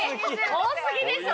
多過ぎでしょ